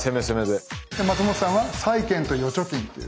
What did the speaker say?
で松本さんは債券と預貯金という。